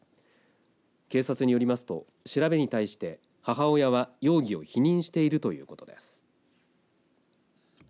警察によりますと、調べに対して母親は容疑を否認しているということです。